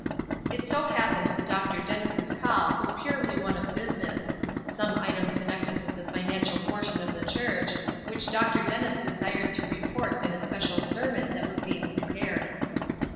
It so happened that Dr. Dennis' call was purely one of business; some item connected with the financial portion of the church, which Dr. Dennis desired to report in a special sermon that was being prepared.